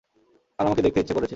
আর আমাকে দেখতে ইচ্ছে করেছে।